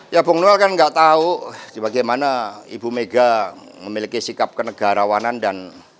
ya bung noel kan nggak tahu bagaimana ibu mega memiliki sikap kenegarawanan dan